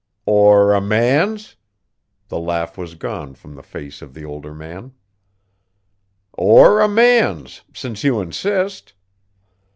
"Or a man's?" The laugh was gone from the face of the older man. "Or a man's, since you insist."